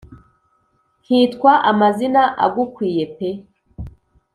nkitwa amazina agukwiye pe